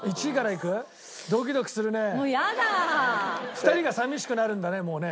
２人が寂しくなるんだねもうね。